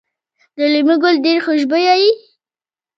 د لیمو ګل ډیر خوشبويه وي؟